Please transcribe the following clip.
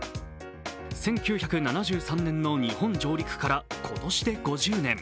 １９７３年の日本上陸から今年で５０年。